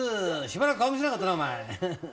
しばらく顔見せなかったなお前。